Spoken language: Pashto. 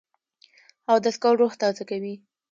اودس کول روح تازه کوي